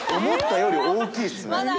思ったより大きいですね。